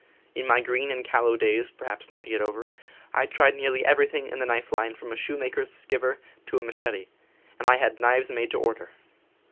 In my green and callow days (perhaps not „ yet over) I tried nearly everything in j^ . the knife line from a shoemaker's ski ver to a machete, and I had knives made to order.